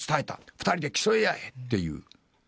２人で競い合えっていう。